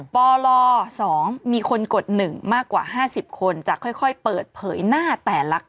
ปล๒มีคนกด๑มากกว่า๕๐คนจะค่อยเปิดเผยหน้าแต่ละคน